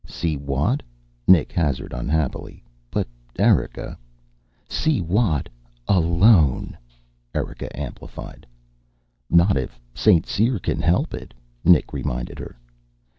"See Watt?" Nick hazarded unhappily. "But Erika " "See Watt alone," Erika amplified. "Not if St. Cyr can help it," Nick reminded her.